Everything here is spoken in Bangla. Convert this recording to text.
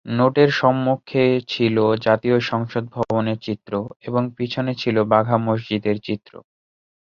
নোটের সম্মুখে ছিল জাতীয় সংসদ ভবনের চিত্র এবং পিছনে ছিল বাঘা মসজিদের চিত্র।